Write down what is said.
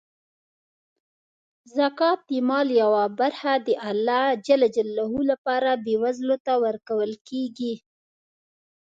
زکات د مال یوه برخه د الله لپاره بېوزلو ته ورکول کیږي.